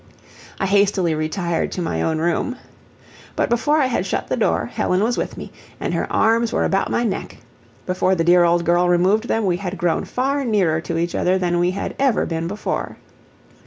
I hastily retired to my own room, but before I had shut the door Helen was with me, and her arms were about my neck; before the dear old girl removed them we had grown far nearer to each other than we had ever been before.